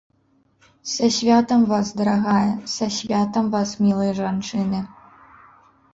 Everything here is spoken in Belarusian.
Са святам вас, дарагая, са святам вас, мілыя жанчыны!